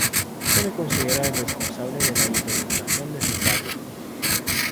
Se le considera el responsable de la hiperinflación de Zimbabue.